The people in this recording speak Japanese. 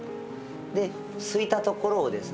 ですいたところをですね